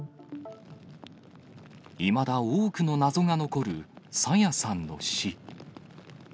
いまだ多くの謎が残る朝芽さんの死。